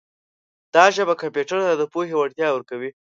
دا ژبه کمپیوټر ته د پوهې وړتیا ورکوي.